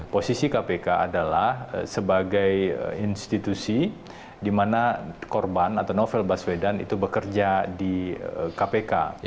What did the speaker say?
posisi kpk adalah sebagai institusi di mana korban atau novel baswedan itu bekerja di kpk